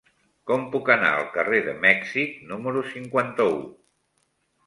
Com puc anar al carrer de Mèxic número cinquanta-u?